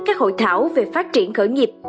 các hội thảo về phát triển khởi nghiệp